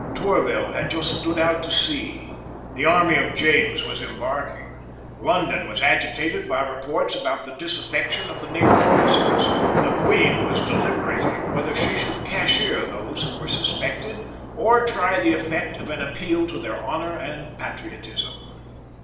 Tourville had just stood out to sea. The army of James was embarking. London was agitated by reports about the disaffection of the naval officers. The Queen was deliberating whether she should cashier those who were suspected, or try the effect of an appeal to their honour and patriotism.